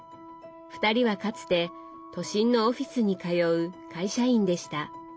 ２人はかつて都心のオフィスに通う会社員でした。